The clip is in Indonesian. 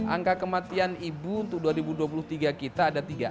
angka kematian ibu untuk dua ribu dua puluh tiga kita ada tiga